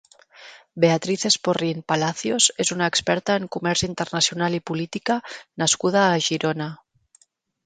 Beatriz Esporrín Palacios és una experta en comerç internacional i política nascuda a Girona.